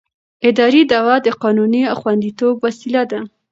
اداري دعوه د قانوني خوندیتوب وسیله ده.